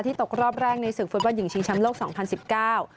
ตกรอบแรกในศึกฟุตบอลหญิงชิงแชมป์โลกสองพันสิบเก้า